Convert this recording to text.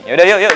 ya udah yuk